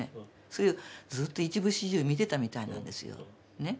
それをずっと一部始終見てたみたいなんですよ。ね。